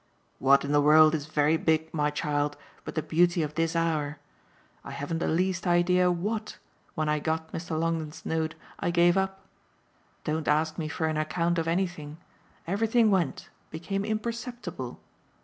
"What in the world is very big, my child, but the beauty of this hour? I haven't the least idea WHAT, when I got Mr. Longdon's note, I gave up. Don't ask me for an account of anything; everything went became imperceptible.